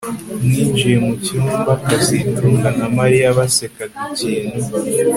Ninjiye mucyumba kazitunga na Mariya basekaga ikintu